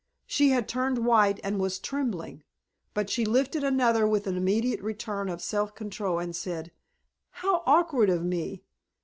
She had turned white and was trembling, but she lifted another with an immediate return of self control, and said, "How awkward of me!